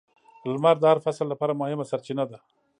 • لمر د هر فصل لپاره مهمه سرچینه ده.